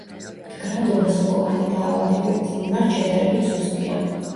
მდგრადობა სოკოვანი დაავადებების მიმართ, შედარებით სუსტია.